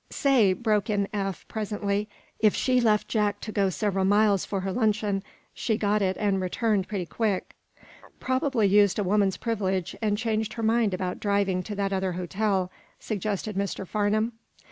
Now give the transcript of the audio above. "Say," broke in Eph, presently, "if she left Jack to go several miles for her luncheon, she got it and returned mighty quick." "Probably used a woman's privilege, and changed her mind about driving to that other hotel," suggested Mr. Farnum.